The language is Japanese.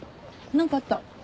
何かあった？